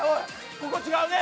ここ違うね。